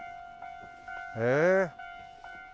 へえ。